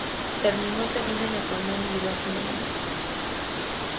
Terminó segunda en el torneo individual femenino.